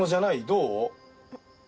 どう？